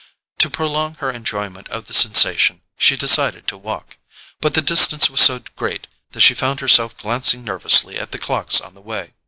To prolong her enjoyment of the sensation she decided to walk; but the distance was so great that she found herself glancing nervously at the clocks on the way.